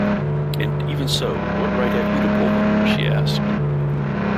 “And even so — what right have you to pull them?” she asked.